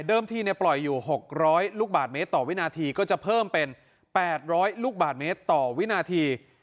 เดิมที่เนี่ยปล่อยอยู่หกร้อยลูกบาทเมตรต่อวินาทีก็จะเพิ่มเป็นแปดร้อยลูกบาทเมตรต่อวินาที